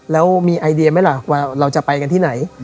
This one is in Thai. แล้วมีไอเดียไหมล่ะว่าเราจะไปกันที่ไหน